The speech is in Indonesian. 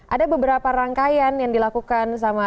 ada beberapa rangkaian yang dilakukan sama